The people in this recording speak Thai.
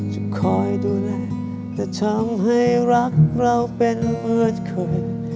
จะคอยดูแลแต่ทำให้รักเราเป็นเหมือนเคย